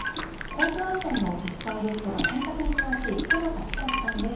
交通安全の実態ですとか対策に詳しい久保田尚さんです。